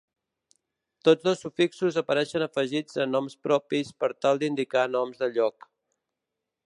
Tots dos sufixos apareixen afegits a noms propis per tal d'indicar noms de lloc.